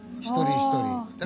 一人一人。